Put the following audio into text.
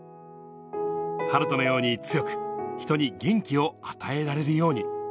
晴斗のように強く、人に元気を与えられるように。